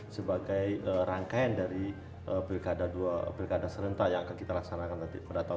sebagai rangkaian dari pilkada serentak yang akan kita laksanakan nanti pada tahun dua ribu dua